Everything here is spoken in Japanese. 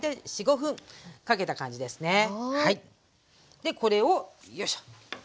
でこれをよいしょ。